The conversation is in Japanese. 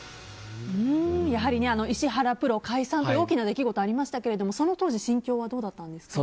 やはり石原プロ解散という大きな出来事ありましたけどその当時心境はどうだったんですか？